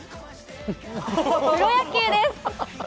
プロ野球です。